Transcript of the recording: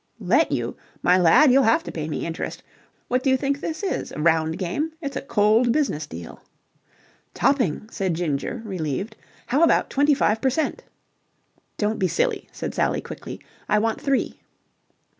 "Let you? My lad, you'll have to pay me interest. What do you think this is a round game? It's a cold business deal." "Topping!" said Ginger relieved. "How about twenty five per cent." "Don't be silly," said Sally quickly. "I want three."